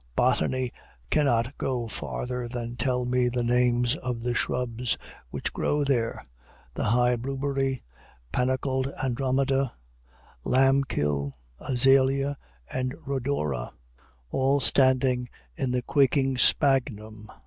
Botany cannot go farther than tell me the names of the shrubs which grow there, the high blueberry, panicled andromeda, lamb kill, azalea, and rhodora, all standing in the quaking sphagnum.